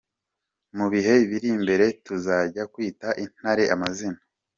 Mu bihe biri imbere tuzajya kwita Intare amazina.